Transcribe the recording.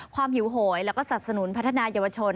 หิวโหยแล้วก็สับสนุนพัฒนายาวชน